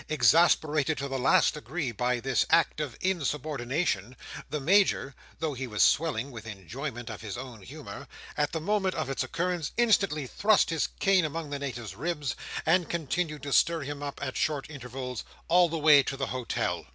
Exasperated to the last degree by this act of insubordination, the Major (though he was swelling with enjoyment of his own humour), at the moment of its occurrence instantly thrust his cane among the Native's ribs, and continued to stir him up, at short intervals, all the way to the hotel.